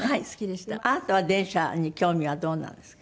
あなたは電車に興味はどうなんですか？